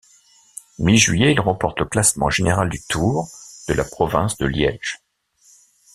Mi-juillet, il remporte le classement général du Tour de la province de Liège.